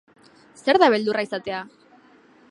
Zer da beldurra izatea?